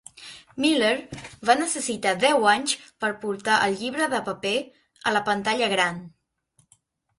Miller va necessitar deu anys per portar el llibre de paper a la pantalla gran.